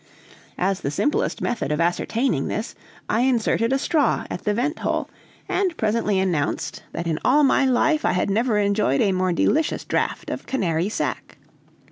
As the simplest method of ascertaining this, I inserted a straw at the vent hole, and presently announced, that in all my life I had never enjoyed a more delicious draught of Canary sack.